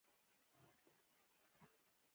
ګل د طبیعت سندره ده.